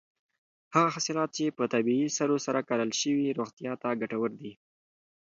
هغه حاصلات چې په طبیعي سرو سره کرل شوي روغتیا ته ګټور دي.